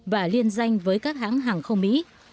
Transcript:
và liên danh với các hãng hàng không mỹ